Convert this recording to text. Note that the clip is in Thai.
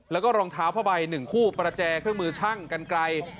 แล้วก็รองเท้าพ่อใบหนึ่งคู่ประแจเครื่องมือชั่งกันไกร